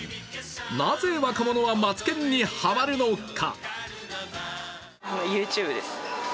なぜ若者はマツケンにハマるのか。